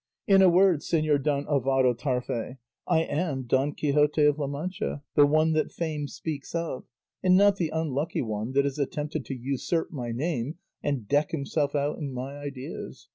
In a word, Señor Don Alvaro Tarfe, I am Don Quixote of La Mancha, the one that fame speaks of, and not the unlucky one that has attempted to usurp my name and deck himself out in my ideas.